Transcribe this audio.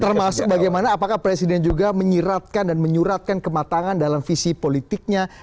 termasuk bagaimana apakah presiden juga menyiratkan dan menyuratkan kematangan dalam visi politiknya